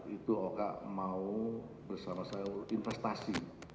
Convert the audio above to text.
itu oka mau bersama sama investasi